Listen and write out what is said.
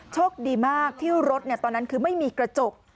โชคดีมากที่รถตอนนั้นคือไม่มีกระจก